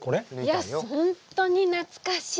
いや本当に懐かしい。